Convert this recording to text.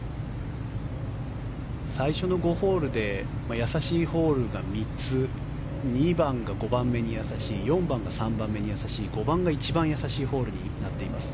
最初の５ホールで易しいホールが３つ２番が５番目に易しい４番が３番目に易しい５番が一番易しいホールになっています。